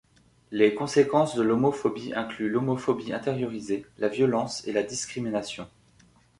Les conséquences de l'homophobie incluent l'homophobie intériorisée, la violence et la discrimination.